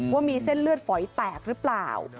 ว่ามีเส้นเลือดฝอยแตกหรือเปล่า